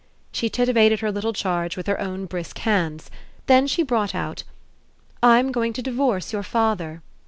She titivated her little charge with her own brisk hands; then she brought out: "I'm going to divorce your father."